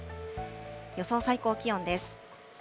予想最高気温です。